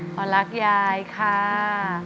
เพราะรักยายค่ะ